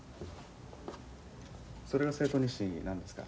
それが生徒日誌なんですか？